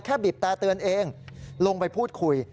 บีบแต่เตือนเองลงไปพูดคุย